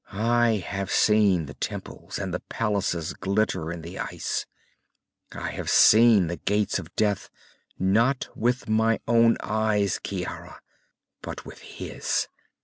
I have seen the temples and the palaces glitter in the ice. I have seen the Gates of Death _not with my own eyes, Ciara, but with his.